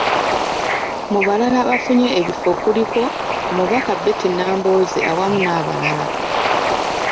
Mu balala abafunye ebifo kuliko; omubaka Betty Nambooze awamu n’abalala.